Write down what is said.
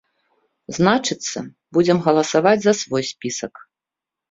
Значыцца, будзем галасаваць за свой спісак!